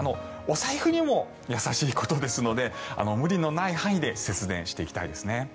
お財布にも優しいことですので無理のない範囲で節電していきたいですね。